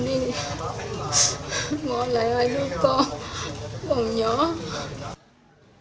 tàu cá khánh hòa kh chín mươi hai nghìn bảy trăm năm mươi bốn ts đang hoạt động gần đó đã tìm kiếm thuyền viên và gia đình lo hậu sự